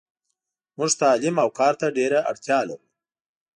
موږ تعلیم اوکارته ډیره اړتیالرو .